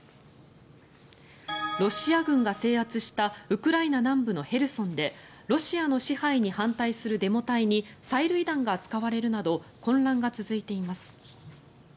ロシア軍が制圧したウクライナ南部のヘルソンでロシアの支配に反対するデモ隊に催涙弾が使われるなど混乱が続いています。